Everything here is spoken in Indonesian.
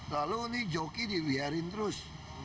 lalu ini joki dibiarin terus